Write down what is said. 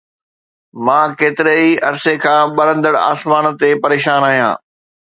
مان ڪيتري ئي عرصي کان ٻرندڙ آسمان تي پريشان آهيان